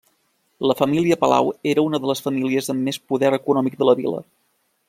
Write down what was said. La família Palau, era una de les famílies amb més poder econòmic de la vila.